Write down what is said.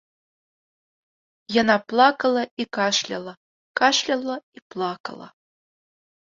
Яна плакала і кашляла, кашляла і плакала.